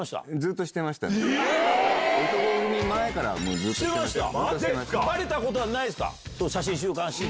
男闘呼組前からずっとしてました。